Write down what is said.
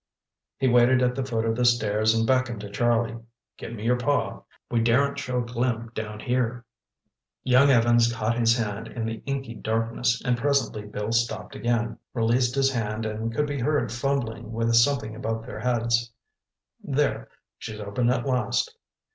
He waited at the foot of the stairs and beckoned to Charlie. "Give me your paw. We daren't show a glim down here." Young Evans caught his hand in the inky darkness, and presently Bill stopped again, released his hand and could be heard fumbling with something above their heads. "There—she's open at last."